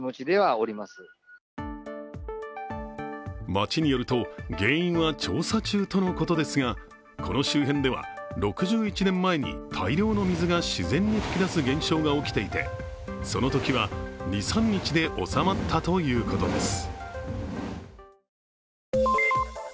町によると、原因は調査中とのことですが、この周辺では６１年前に大量の水が自然に噴き出す現象が起きていて、そのときは２３日で収まったということです。